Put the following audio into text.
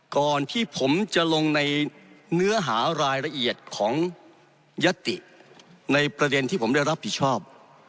ก่อนที่ผมจะลงในเนื้อหารายละเอียดของยัตติในประเด็นที่ผมได้รับผิดชอบ